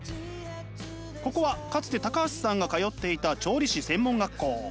ここはかつて橋さんが通っていた調理師専門学校。